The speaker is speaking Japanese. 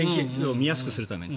見やすくするために。